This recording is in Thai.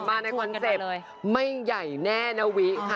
มาในคอนเซ็ปต์ไม่ใหญ่แน่นะวิค่ะ